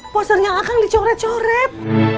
posernya akan dicorep corep